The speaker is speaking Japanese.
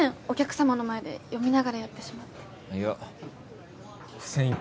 お客様の前で読みながらやってしまっていや付箋